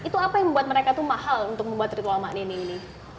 itu apa yang membuat mereka itu mahal untuk membuat ritual mak neni ini